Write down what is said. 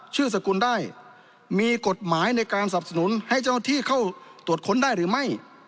สกุลได้มีกฎหมายในการสับสนุนให้เจ้าหน้าที่เข้าตรวจค้นได้หรือไม่